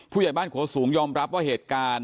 ผู้ใหญ่บ้านโขสูงยอมรับว่าเหตุการณ์